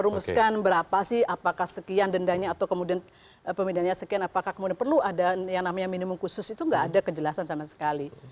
merumuskan berapa sih apakah sekian dendanya atau kemudian pemindahannya sekian apakah kemudian perlu ada yang namanya minimum khusus itu nggak ada kejelasan sama sekali